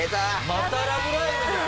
また『ラブライブ！』じゃん。